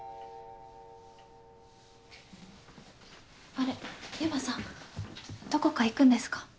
あれっ？由真さんどこか行くんですか？